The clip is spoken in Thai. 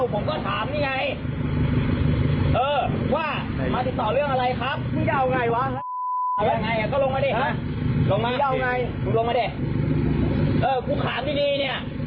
บอกโดนมึงอยากให้กูแรกกิน